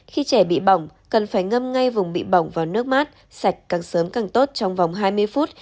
khi trẻ bị bỏng cần phải ngâm ngay vùng bị bỏng và nước mát sạch càng sớm càng tốt trong vòng hai mươi phút